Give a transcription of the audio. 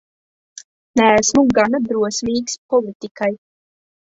Neesmu gana drosmīgs politikai.